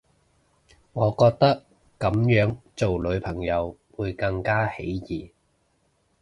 我覺得噉樣做女朋友會更加起疑